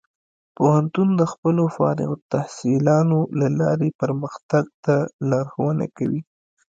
پوهنتون د خپلو فارغ التحصیلانو له لارې پرمختګ ته لارښوونه کوي.